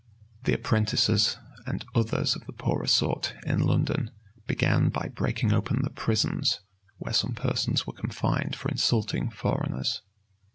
The apprentices, and others of the poorer sort, in London, began by breaking open the prisons, where some persons were confined for insulting foreigners.